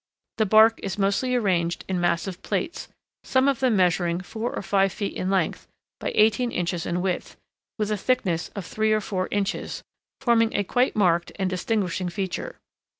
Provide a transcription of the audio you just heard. The bark is mostly arranged in massive plates, some of them measuring four or five feet in length by eighteen inches in width, with a thickness of three or four inches, forming a quite marked and distinguishing feature.